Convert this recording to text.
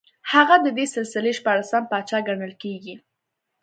هغه د دې سلسلې شپاړسم پاچا ګڼل کېږي